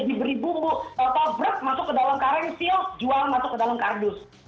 diberi bumbu potobrek masuk ke dalam kareng seal jual masuk ke dalam kardus